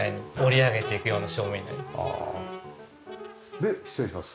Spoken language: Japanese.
で失礼します。